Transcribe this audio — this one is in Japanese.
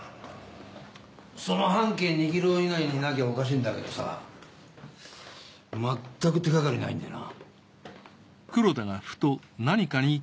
その半径２ｋｍ以内にいなきゃおかしいんだけどさまったく手がかりないんだよな。